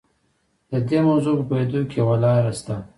د دې موضوع په پوهېدو کې یوه لاره شته.